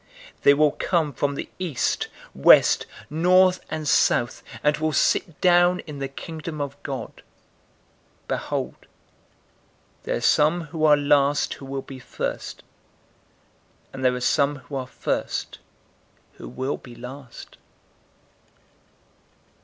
013:029 They will come from the east, west, north, and south, and will sit down in the Kingdom of God. 013:030 Behold, there are some who are last who will be first, and there are some who are first who will be last."